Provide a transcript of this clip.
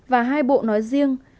và hai bộ nói riêng